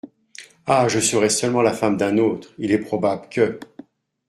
Ah ! je serais seulement la femme d’un autre, il est probable que !…